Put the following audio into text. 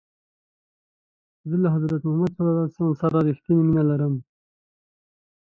زه له حضرت محمد ص سره رښتنی مینه لرم.